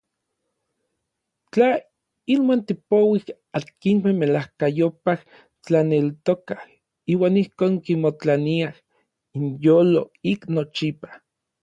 Tla inuan tipouij akinmej melajkayopaj tlaneltokaj iuan ijkon kimotlaniaj inyolo ik nochipa.